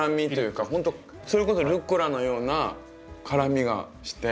ほんとそれこそルッコラのような辛みがして。